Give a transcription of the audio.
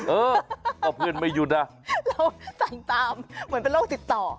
เออก็เพื่อนไม่หยุดอ่ะเราแต่งตามเหมือนเป็นโรคติดต่อ